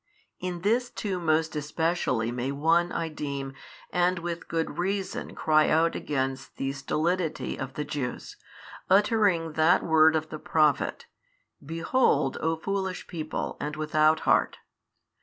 In this too most especially may one, I deem, and with good reason cry out against the stolidity of the Jews, uttering that word of the Prophet, Behold O foolish people and without heart.